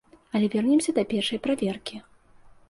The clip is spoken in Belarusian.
Але вернемся да першай праверкі.